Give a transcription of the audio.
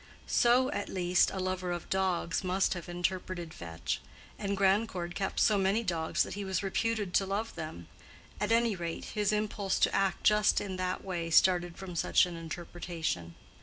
So, at least, a lover of dogs must have interpreted Fetch, and Grandcourt kept so many dogs that he was reputed to love them; at any rate, his impulse to act just in that way started from such an interpretation.